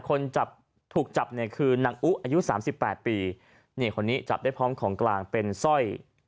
คนจับถูกจับเนี่ยคือนางอุอายุสามสิบแปดปีนี่คนนี้จับได้พร้อมของกลางเป็นสร้อย